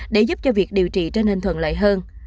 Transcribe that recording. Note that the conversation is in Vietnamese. để giúp cho việc điều trị trở nên thuận lợi hơn